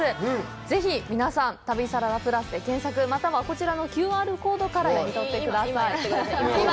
ぜひ皆さん、「旅サラダＰＬＵＳ」で検索、またはこちらのＱＲコードから読み取ってください。